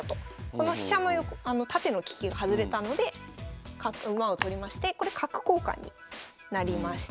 この飛車の縦の利きが外れたので馬を取りましてこれ角交換になりました。